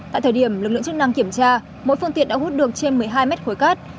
tại thời điểm lực lượng chức năng kiểm tra mỗi phương tiện đã hút được trên một mươi hai mét khối cát